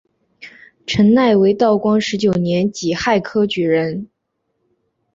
陈鼐为道光十九年己亥科举人。